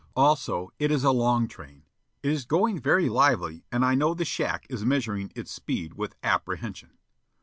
Also, it is a long train. It is going very lively, and I know the shack is measuring its speed with apprehension.